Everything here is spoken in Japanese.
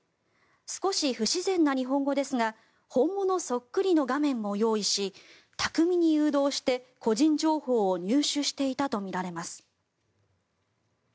少し不自然な日本語ですが本物そっくりの画面も用意し巧みに誘導して個人情報を入手していたとみられます。